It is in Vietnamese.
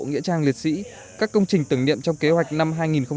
nghĩa trang liệt sĩ các công trình tưởng niệm trong kế hoạch năm hai nghìn một mươi chín